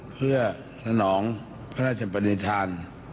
เพื่อสนองพระราชประณีทาน